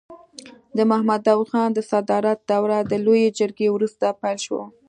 د محمد داود خان د صدارت دوره د لويې جرګې وروسته پیل شوه.